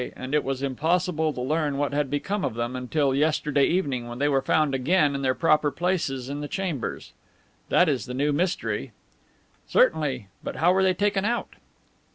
And it was impossible to learn what had become of them until yesterday evening, when they were found again in their proper places in the chambers. That is the new mystery!" "Certainly. But how were they taken out?"